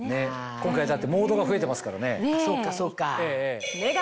今回モードが増えてますからね。